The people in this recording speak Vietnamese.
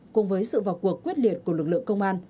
cùng với sự vào cuộc quyết liệt của lực lượng công an